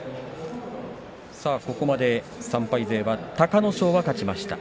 ここまで３敗勢は隆の勝は勝ちました。